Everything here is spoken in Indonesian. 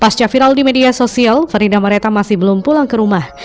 pasca viral di media sosial frida mareta masih belum pulang ke rumah